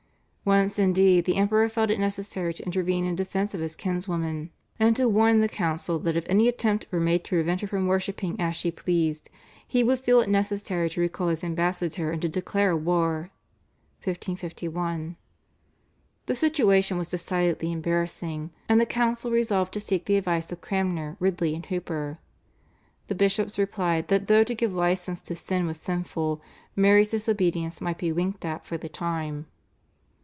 Once indeed the Emperor felt it necessary to intervene in defence of his kinswoman, and to warn the council that if any attempt were made to prevent her from worshipping as she pleased, he would feel it necessary to recall his ambassador and to declare war (1551). The situation was decidedly embarrassing, and the council resolved to seek the advice of Cranmer, Ridley, and Hooper. The bishops replied that though to give licence to sin was sinful Mary's disobedience might be winked at for the time.